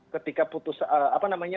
ketika putus apa namanya